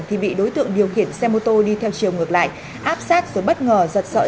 thì bị đối tượng điều khiển xe mô tô đi theo chiều ngược lại áp sát rồi bất ngờ